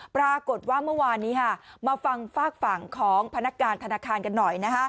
ปรากฏว่าเมื่อวานนี้มาฟังฝากฝั่งของพนักการธนาคารกันหน่อยนะฮะ